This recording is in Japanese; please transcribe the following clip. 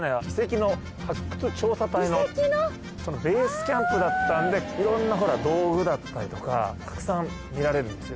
えぇ！だったんでいろんな道具だったりとかたくさん見られるんですよ。